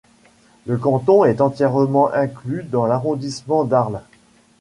Le canton est entièrement inclus dans l'arrondissement d'Arles.